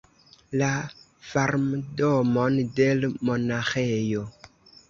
La farmdomon de l' monaĥejo.